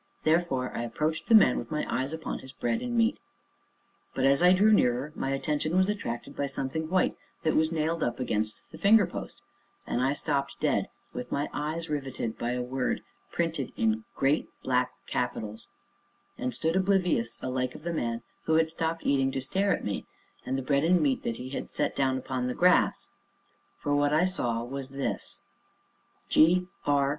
Therefore I approached the man, with my eyes upon his bread and meat. But, as I drew nearer, my attention was attracted by something white that was nailed up against the finger post, and I stopped dead, with my eyes riveted by a word printed in great black capitals, and stood oblivious alike of the man who had stopped eating to stare at me, and the bread and meat that he had set down upon the grass; for what I saw was this: G. R.